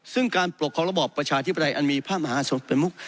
ซึ่งการปกครองระบอบประชาธิปไตยอันมีพระมหาสมประมุก